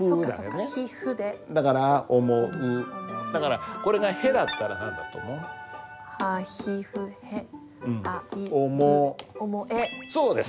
だからこれが「へ」だったら何だと思う？はひふへあいうえそうです！